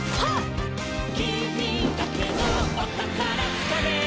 「きみだけのおたからつかめ！」